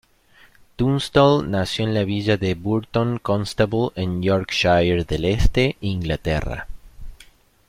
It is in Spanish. Tunstall nació en la villa de Burton Constable en Yorkshire del Este, Inglaterra.